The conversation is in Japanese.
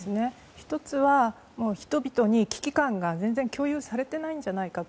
１つは人々に危機感が全然共有されていないんじゃないかと。